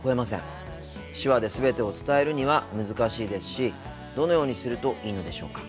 手話で全てを伝えるには難しいですしどのようにするといいのでしょうか。